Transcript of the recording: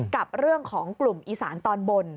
กับเรื่องของกลุ่มอีสานตอนบน